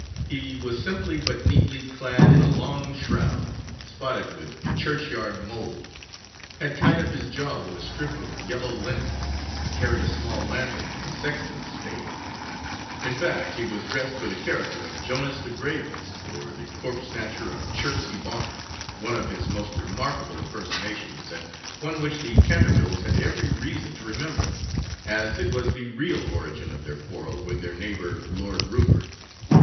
He was simply but neatly clad in a long shroud, spotted with churchyard mould, had tied up his jaw with a strip of yellow linen, and carried a small lantern and a sexton's spade. In fact, he was dressed for the character of 'Jonas the Graveless, or the Corpse Snatcher of Chertsey Barn,' one of his most remarkable impersonations, and one which the Cantervilles had every reason to remember, as it was the real origin of their quarrel with their neighbour, Lord Rufford.